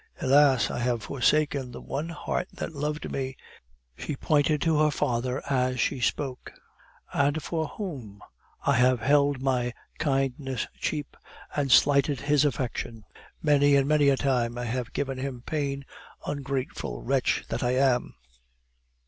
Alas! I have forsaken the one heart that loved me (she pointed to her father as she spoke), and for whom? I have held his kindness cheap, and slighted his affection; many and many a time I have given him pain, ungrateful wretch that I am!"